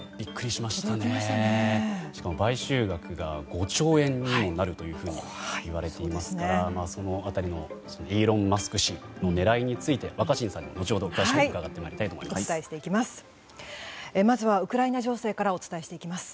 しかも買収額が５兆円にもなるといわれていますからその辺りのイーロン・マスク氏の狙いについて若新さんに後ほど詳しく伺ってまいります。